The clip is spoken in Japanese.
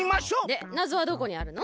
でなぞはどこにあるの？